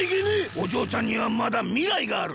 おじょうちゃんにはまだみらいがある。